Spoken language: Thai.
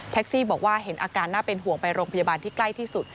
ซี่บอกว่าเห็นอาการน่าเป็นห่วงไปโรงพยาบาลที่ใกล้ที่สุด